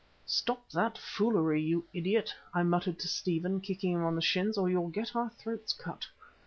"Stop that foolery, you idiot," I muttered to Stephen, kicking him on the shins, "or you'll get our throats cut."